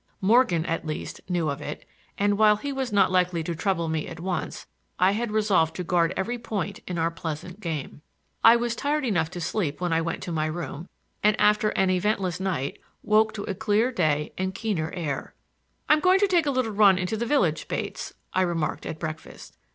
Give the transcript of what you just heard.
Morgan, at least, knew of it and, while he was not likely to trouble me at once, I had resolved to guard every point in our pleasant game. I was tired enough to sleep when I went to my room, and after an eventless night, woke to a clear day and keener air. "I'm going to take a little run into the village, Bates," I remarked at breakfast.